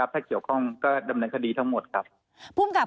ถ้าเกี่ยวข้องก็ดำเนินคดีทั้งหมดครับภูมิกับ